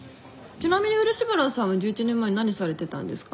ちなみに漆原さんは１１年前何されてたんですか？